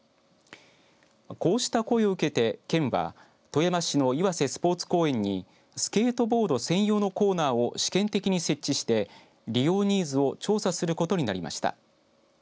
こうした声を受けて県は富山市の岩瀬スポーツ公園にスケートボード専用のコーナーを試験的に設置して利用ニーズを調査することになりました。